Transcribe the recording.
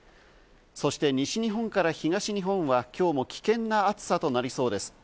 そして西日本から東日本は今日も危険な暑さとなりそうです。